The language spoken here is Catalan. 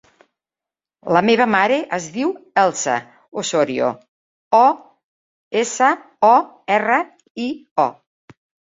La meva mare es diu Elsa Osorio: o, essa, o, erra, i, o.